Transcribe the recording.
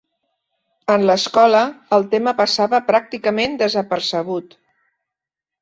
En l'escola, el tema passava pràcticament desapercebut.